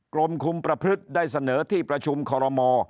กรมคุมประพฤติได้เสนอที่ประชุมคอรมอ